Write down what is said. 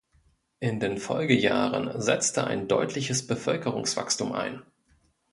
In den Folgejahren setzte ein deutliches Bevölkerungswachstum ein.